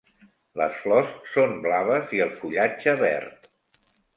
Les flors són blaves i el fullatge verd.